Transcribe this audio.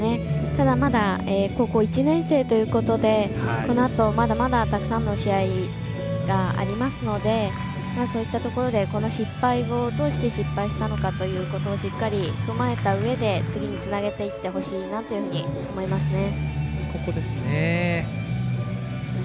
ただ、まだ高校１年生ということでこのあと、まだまだたくさんの試合がありますのでそういったところで、失敗をどうして失敗したのかというのをしっかり踏まえたうえで次につなげていってほしいなと思いますね。